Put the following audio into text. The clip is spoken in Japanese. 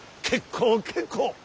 結構結構。